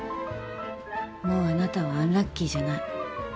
もうあなたはアンラッキーじゃない。